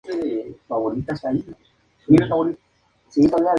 Está situado en la zona de la ciudad de Narbona conocida como la Magdalena.